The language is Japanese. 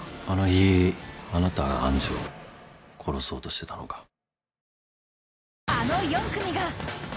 「あの日あなたが愛珠を殺そうとしてたのか」